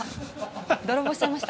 泥棒しちゃいました？